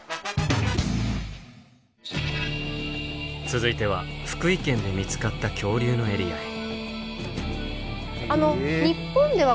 続いては福井県で見つかった恐竜のエリアへ。